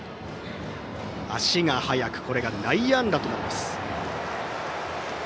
足が速くこれが内野安打となります。